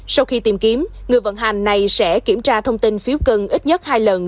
sau khi tìm kiếm người vận hành này sẽ kiểm tra thông tin phiếu cân ít nhất hai lần